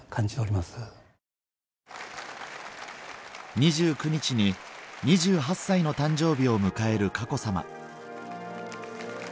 ２９日に２８歳の誕生日を迎える佳子さま